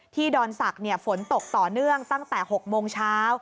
ดอนศักดิ์ฝนตกต่อเนื่องตั้งแต่๖โมงเช้า